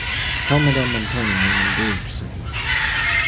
"Tell Madam Montoni I am engaged," said he.